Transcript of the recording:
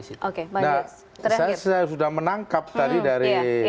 nah saya sudah menangkap tadi dari